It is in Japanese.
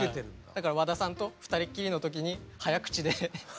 だから和田さんと２人っきりの時に早口でネコの話してる。